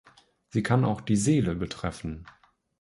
Sie kann auch die Seele betreffen.